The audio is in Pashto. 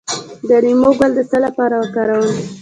د لیمو ګل د څه لپاره وکاروم؟